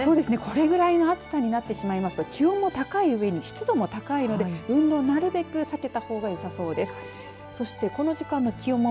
これぐらいの暑さになってしまいますと気温も高いうえに湿度が高いので運動なるべく避けたほうがよさそうです。